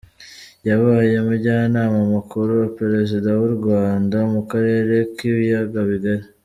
Yabaye umujyanama mukuru wa Perezida w’u Rwanda mu karere k’ibiyaga bigari.